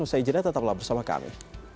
usaha ijadah tetaplah bersama kami